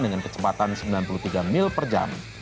dengan kecepatan sembilan puluh tiga mil per jam